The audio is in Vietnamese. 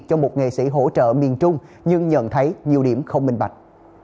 cho một nghệ sĩ hỗ trợ miền trung nhưng nhận thấy nhiều điểm không minh bạch